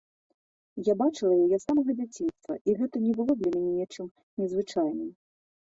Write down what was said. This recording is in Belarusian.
Я бачыла яе з самага дзяцінства, і гэта не было для мяне нечым незвычайным.